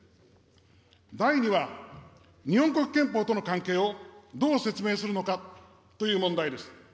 第２は、日本国憲法との関係をどう説明するのかという問題です。